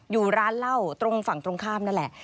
อยู่ร้านเหล้าตรงฝั่งตรงข้ามนั่นแหละ